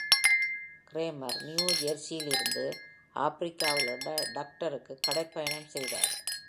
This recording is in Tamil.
க்ரேமர் நியூ ஜெர்சியிலிருந்து ஆப்பிரிக்காவிலுள்ள டக்கருக்கு கடற் பயணம் செய்தார்.